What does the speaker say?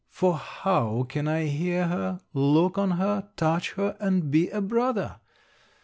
For how can I hear her, look on her, touch her, and be a brother?